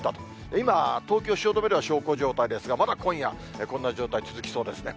今、東京・汐留では小康状態ですが、まだ今夜、こんな状態、続きそうですね。